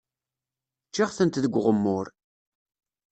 Ččiɣ-tent deg uɣemmur.